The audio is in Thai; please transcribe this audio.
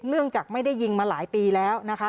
จากไม่ได้ยิงมาหลายปีแล้วนะคะ